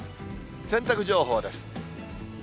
洗濯情報です。